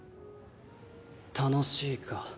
「楽しい」か。